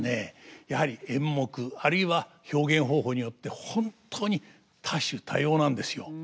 やはり演目あるいは表現方法によって本当に多種多様なんですよ。